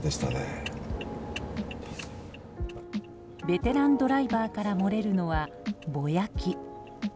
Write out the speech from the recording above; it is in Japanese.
ベテランドライバーから漏れるのは、ぼやき。